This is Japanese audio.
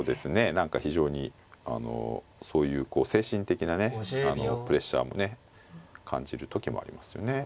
何か非常にあのそういう精神的なねプレッシャーもね感じる時もありますよね。